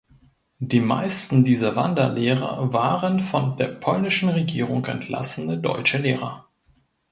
Die meisten dieser Wanderlehrer waren von der polnischen Regierung entlassene deutsche Lehrer.